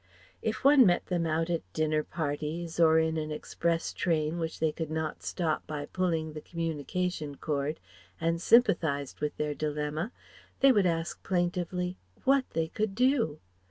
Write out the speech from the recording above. If one met them out at dinner parties, or in an express train which they could not stop by pulling the communication cord, and sympathized with their dilemma, they would ask plaintively what they could do.